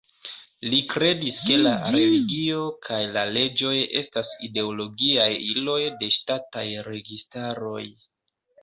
Li kredis ke la religio kaj la leĝoj estas ideologiaj iloj de ŝtataj registaroj.